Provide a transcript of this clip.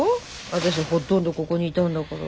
私ほとんどここにいたんだから。